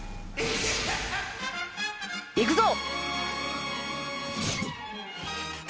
いくぞ！